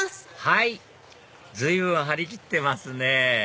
はい随分張り切ってますね